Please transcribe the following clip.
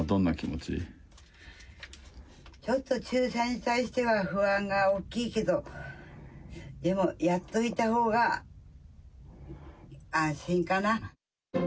ちょっと注射に対しては不安が大きいけど、でも、やっといたほうが安心かな。